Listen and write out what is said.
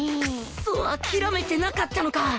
クソッ諦めてなかったのか